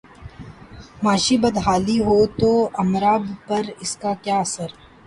معاشی بدحالی ہو توامراء پہ اس کا کیا اثر؟